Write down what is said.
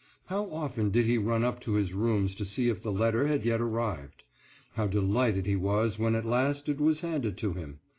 How often did he run up to his rooms to see if the letter had yet arrived! How delighted he was when at last it was handed to him!